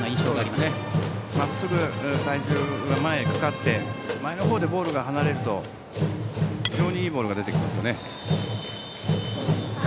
まっすぐ体重が前にかかって前のほうでボールが離れると非常にいいボールが出てきますね。